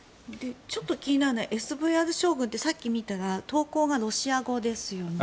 気になるのはＳＶＲ将軍ってさっき見たら投稿がロシア語ですよね。